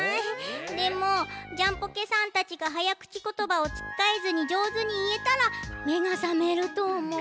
でもジャンポケさんたちがはやくちことばをつっかえずにじょうずにいえたらめがさめるとおもう。